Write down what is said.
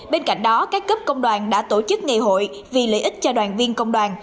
bên cạnh đó các cấp công đoàn đã tổ chức ngày hội vì lợi ích cho đoàn viên công đoàn